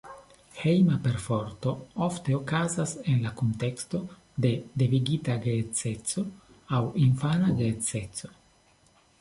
Hejma perforto ofte okazas en la kunteksto de devigita geedzeco aŭ infana geedzeco.